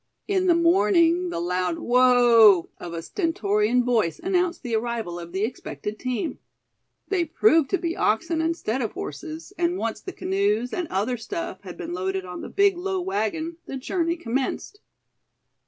In the morning the loud "whoa" of a stentorian voice announced the arrival of the expected team. They proved to be oxen instead of horses, and once the canoes, and other stuff, had been loaded on the big low wagon, the journey commenced.